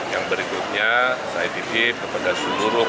yang berikutnya saya titip kepada seluruh